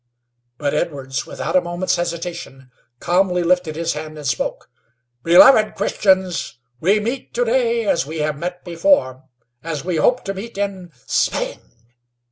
But Edwards, without a moment's hesitation, calmly lifted his hand and spoke. "Beloved Christians, we meet to day as we have met before, as we hope to meet in " "Spang!"